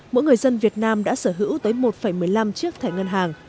mỗi người dân việt nam đã sở hữu tới một một mươi năm chiếc thẻ ngân hàng